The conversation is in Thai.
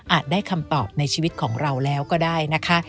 ได้คำตอบในชีวิตของเราแล้วก็ได้นะคะ